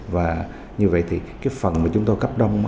và như vậy thì cái phần mà chúng tôi cấp đông